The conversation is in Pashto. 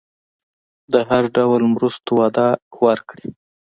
د هر ډول مرستو وعده ورکړي.